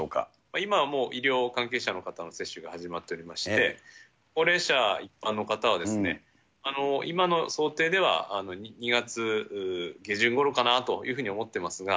今はもう医療関係者の方の接種が始まっておりまして、高齢者や一般の方は今の想定では、２月下旬ごろかなというふうに思ってますが。